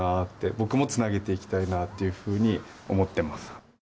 僕も繋げていきたいなっていうふうに思ってます。